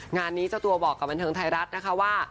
งานนี้เจ้าตัวบอกกับบันเทิงไทยรัฐนะคะว่า